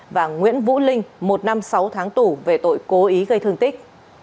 và nguyễn vũ linh một năm sáu tháng tù về tội cố ý gây thương tích